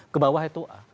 kebawah itu a